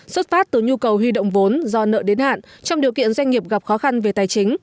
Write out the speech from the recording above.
xuất phát từ nhu cầu huy động vốn do nợ đến hạn trong điều kiện doanh nghiệp gặp khó khăn về tài chính